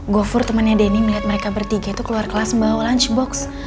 gover temannya danny melihat mereka bertiga itu keluar kelas membawa lunchbox